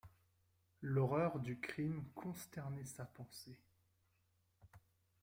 L'horreur du crime consternait sa pensée.